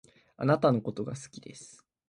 貴方のことが好きです